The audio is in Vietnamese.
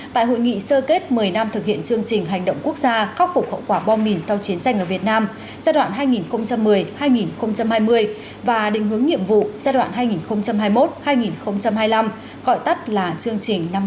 tại hội nghị sơ kết một mươi năm thực hiện chương trình hành động quốc gia khắc phục hậu quả bom mìn sau chiến tranh ở việt nam giai đoạn hai nghìn một mươi hai nghìn hai mươi và định hướng nhiệm vụ giai đoạn hai nghìn hai mươi một hai nghìn hai mươi năm gọi tắt là chương trình năm hai nghìn hai mươi